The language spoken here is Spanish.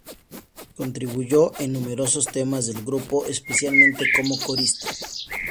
Contribuyó en numerosos temas del grupo, especialmente como corista.